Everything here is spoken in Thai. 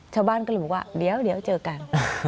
ชาวบ้านก็เลยบอกว่าเดี๋ยวเจอกัน